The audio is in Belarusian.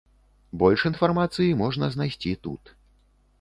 Больш інфармацыі можна знайсці тут.